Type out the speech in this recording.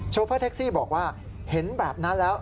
โฟเฟอร์แท็กซี่บอกว่าเห็นแบบนั้นแล้ว